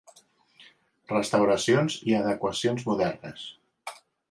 Restauracions i adequacions modernes.